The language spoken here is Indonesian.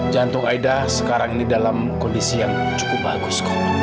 jantung aida sekarang ini dalam kondisi yang cukup bagus